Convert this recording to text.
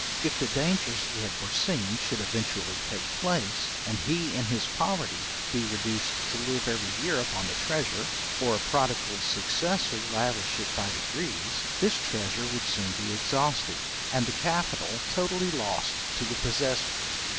If the dangers he had foreseen should eventually take place, and he in his poverty be reduced to live every year upon the treasure, or a prodigal successor lavish it by degrees, this treasure would soon be exhausted, and the capital totally lost to the possessor.